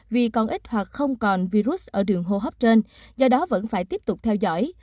vì còn ít hoặc không còn virus ở đường hô hấp trên do đó vẫn phải tiếp tục theo dõi